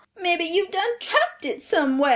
Mebby you've done drapped it somewhar."